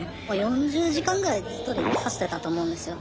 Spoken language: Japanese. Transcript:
４０時間ぐらいずっと指してたと思うんですよ。